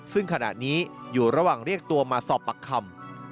ซึ่งขณะนี้อยู่ระหว่างเรียกตัวมาสอบปากคำ